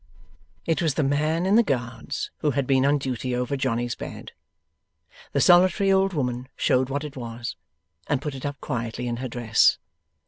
It was the man in the Guards who had been on duty over Johnny's bed. The solitary old woman showed what it was, and put it up quietly in her dress.